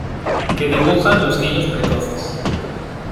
que dibujan los niños precoces: